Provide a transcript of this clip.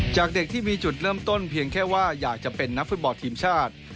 จากเด็กที่มีจุดเริ่มต้นเพียงแค่ว่าอยากจะเป็นนักฟุตบอลทีมชาติ